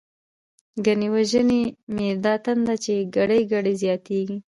ګنی وژنی می دا تنده، چی ګړۍ ګړۍ زياتيږی